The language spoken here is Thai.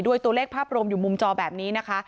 ตัวเลขภาพรวมอยู่มุมจอแบบนี้นะคะ